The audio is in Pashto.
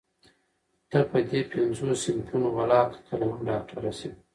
ته په دې پينځو صنفونو ولاکه کله هم ډاکټره شې.